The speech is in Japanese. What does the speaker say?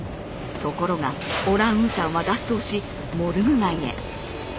ところがオランウータンは脱走しモルグ街へ。